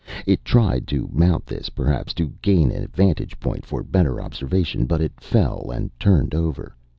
It tried to mount this, perhaps to gain a vantage point for better observation. But it fell and turned over.